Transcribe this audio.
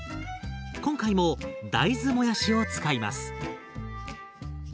今回も大豆もやしを使います。